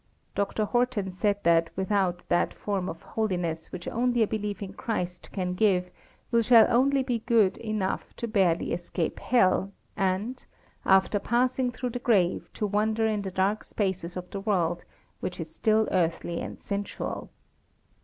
Dr. Horton said that without that form of holiness which only a belief in Christ can give we shall only be good enough to barely escape Hell, and, "after passing through the grave, to wander in the dark spaces of the world, which is still earthly and sensual."